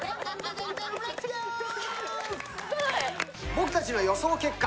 僕たちの予想結果。